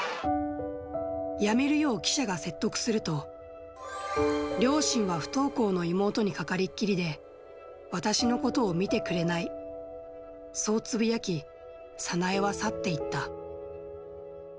やめるよう記者が説得すると、両親は不登校の妹にかかりっきりで、私のことを見てくれない、そうつぶやき、サナエは去っていった。